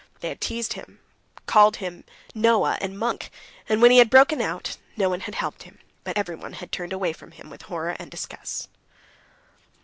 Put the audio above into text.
They had teased him, called him Noah, and monk; and, when he had broken out, no one had helped him, but everyone had turned away from him with horror and disgust.